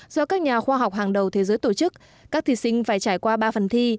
do các nhà khoa học hàng đầu thế giới tổ chức các thí sinh phải trải qua ba phần thi